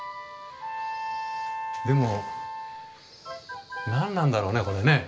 でも何なんだろうねこれね。